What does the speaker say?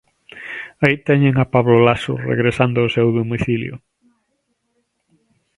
Aí teñen a Pablo Laso regresando ao seu domicilio.